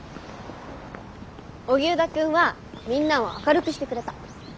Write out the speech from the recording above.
荻生田くんはみんなを明るくしてくれた。